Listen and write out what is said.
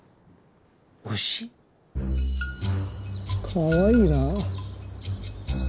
かわいいな。